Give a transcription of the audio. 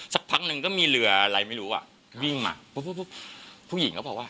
สักพักหนึ่งก็มีเรืออะไรไม่รู้อ่ะวิ่งอ่ะปุ๊บผู้หญิงก็บอกว่า